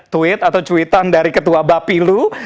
tweet atau cuitan dari ketua bapilu